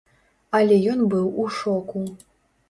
Але ён быў у шоку.